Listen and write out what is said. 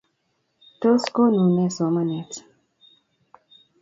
Tos konuu nee somanet?